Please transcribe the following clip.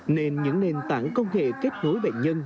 nên những nền tảng công nghệ kết nối bệnh nhân